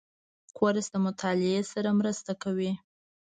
کورس د مطالعې سره مرسته کوي.